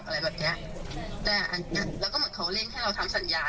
แล้วก็เราก็จะได้ดอกอะไรแบบเนี้ยแล้วก็เหมือนเขาเล่นให้เราทำสัญญา